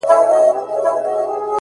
• افسوس كوتر نه دى چي څوك يې پـټ كړي ـ